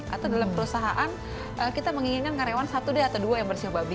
atau dalam perusahaan kita menginginkan karyawan satu atau dua yang bersiobabi